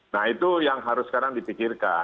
nah itu yang harus sekarang dipikirkan